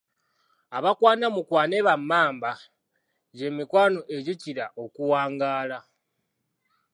Abakwana mukwane ba Mmamba Gye mikwano egikira okuwangaala.